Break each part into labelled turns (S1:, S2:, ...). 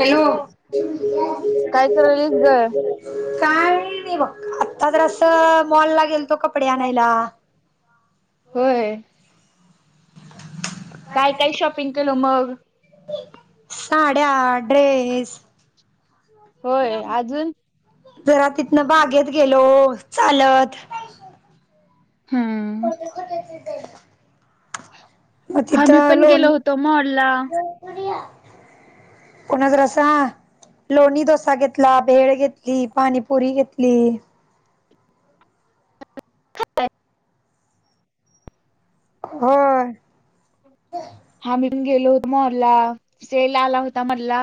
S1: Hello?
S2: काय करायलीस ग?
S1: काय? बघ आत्ता जरा असं मॉल ला गेल तो कपडे आणायला
S2: होय. काय काय शॉपिंग केल मग?
S1: साड्या, ड्रेस
S2: होय अजून?
S1: जरा तिथन बाघेत गेलो चालत
S2: हम्म
S1: खोट खोटायच
S2: हा मी
S1: तिथं
S2: पण
S1: लोन
S2: गेलो होतो मॉल ला [inaudible]
S1: कोणाच रसा? लोणी डोसा घेतला, भेळ घेतली, पाणीपुरी घेतली. होय.
S2: आम्ही पण गेलो होतो मॉलला, सेल आला होता मधला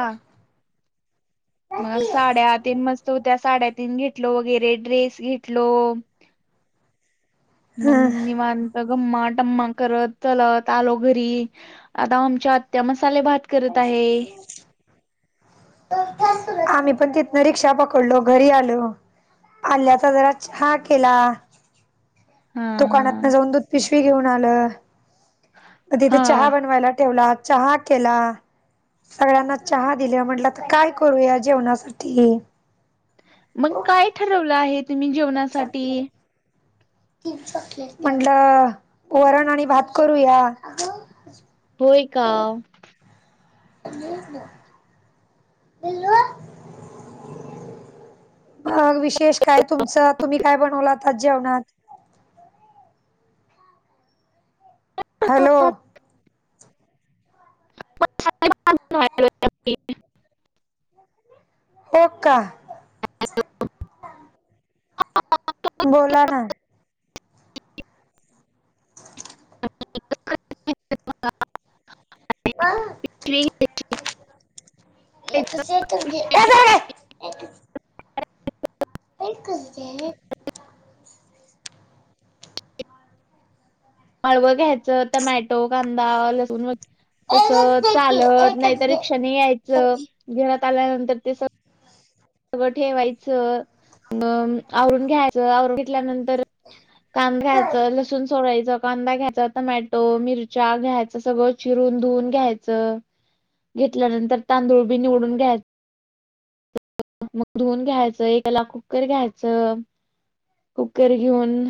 S2: मग साडया आत मस्त होत्या् साड्या तीन घेतलो वगैरे, ड्रेस घेतलो मग
S1: ह
S2: निवांत टम्मा टम्मा करत चलत आलो घरी, आता आमच्या आत्या मस्त
S1: त का [unintelligible] आम्ही पण तिथनं रिक्षा, पकडलो घरी आलो आल्याचा जरा छान. केला
S2: हा
S1: दुकानात न
S2: हा
S1: जाऊन, दूध पिशवी घेऊन आलं. म तिथे
S2: हा
S1: चहा बनवायला ठेवला चहा केला सगळ्यांना चहा दिले म्हटलं, तर काय करूया जेवणासाठी.
S2: मग काय ठरवलं आहे, तुम्ही जेवणासाठी
S1: म्हंटलं वरण आणि भात करूया.
S2: होय का?
S1: [unintelligible] ना मग विशेष काय तुमच्यात? तुम्ही काय बनवलं आता जेवणात? हॅलो?
S2: [unintelligible] [unintelligible]
S1: हो का?
S2: हॅलो? [unintelligible]
S1: बोला ना
S2: माळवं
S1: आ
S2: [unintelligible]
S1: एकच एकच दे एकच एकच दे.
S2: माळव घ्यायचं टमॅटो कांदा लसूण व तस चालत नाहीतर, रिक्षाने यायचं घरात आल्यानंतर तेस सगळं ठेवायचं अ आवरून, घ्यायचं आवरून घेतल्यानंतर कांदा घ्यायचं लसूण सोलायचं कांदा घ्यायच, टमॅटो मिरच्या घ्यायचं सगळं चिर रून धुवून घ्यायच. घेतल्यानंतर तांदूळ, बी निवडून घ्याय च मग धुवन घ्यायचं एकला, कुकर घ्यायचं कुकर घेऊन.